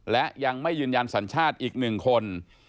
และยังไม่ยืนยันสัญชาติอีก๑คน